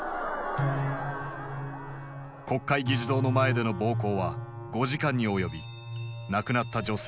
国会議事堂の前での暴行は５時間に及び亡くなった女性もいた。